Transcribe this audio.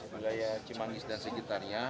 di wilayah cimanggis dan sekitarnya